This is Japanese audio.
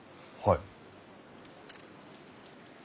はい。